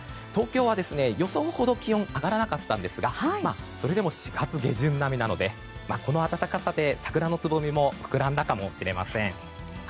東京は予想ほど気温は上がらなかったんですがそれでも４月下旬並みなのでこの暖かさで桜のつぼみも膨らんだかもしれません。